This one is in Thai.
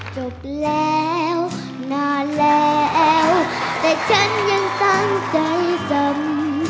จบแล้วนานแล้วแต่ฉันยังตั้งใจสน